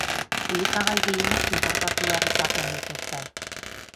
Elikagai gehienak inportatu behar izaten dituzte.